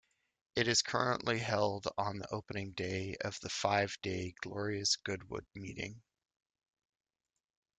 It is currently held on the opening day of the five-day Glorious Goodwood meeting.